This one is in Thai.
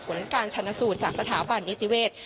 ผลการชนสูตรจากสถาบันนิติเวศ